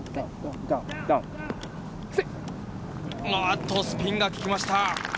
あっと、スピンがききました。